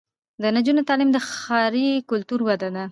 د نجونو تعلیم د ښاري کلتور وده ده.